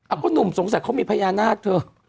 อ่ะต้องสงสัยเขามีพญานาคเถอะ